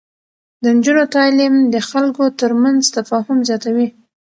د نجونو تعليم د خلکو ترمنځ تفاهم زياتوي.